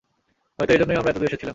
হয়তো, এজন্যই আমরা এতদূর এসেছিলাম।